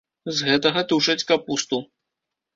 З гэтага тушаць капусту.